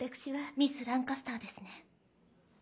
ミス・ランカスターですね。